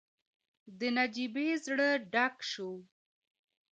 د نجيبې زړه ډک شو.